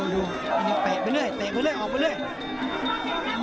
เตะไปเลยเตะไปเลยออกไปเลย